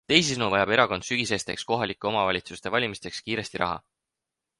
Teisisõnu vajab erakond sügisesteks kohalike omavalitsuste valimisteks kiiresti raha?